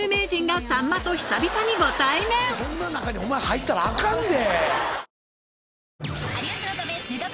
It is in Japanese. こんな中にお前入ったらアカンで。